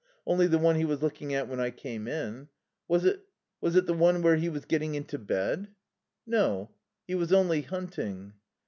"Only the one he was looking at when I came in." "Was it was it the one where he was getting into bed?" "No. He was only hunting."